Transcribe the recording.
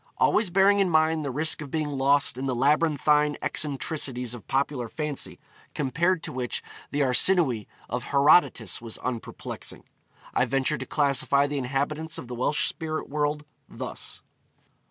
Always bearing in mind the risk of being lost in the labyrinthine eccentricities of popular fancy, compared to which the Arsinoë of Herodotus was unperplexing, I venture to classify the inhabitants of the Welsh spirit world thus: 1.